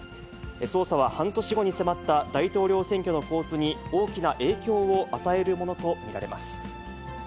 捜査は半年後に迫った大統領選挙の構図に大きな影響を与えるもの